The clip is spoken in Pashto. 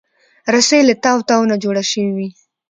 رسۍ له تاو تاو نه جوړه شوې وي.